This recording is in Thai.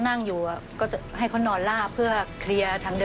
สวัสดีครับ